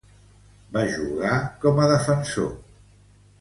Va jugar com a defensor.